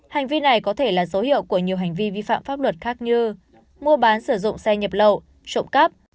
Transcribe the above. hành vi này có thể là dấu hiệu của nhiều hành vi vi phạm pháp luật khác như mua bán sử dụng xe nhập lậu trộm cắp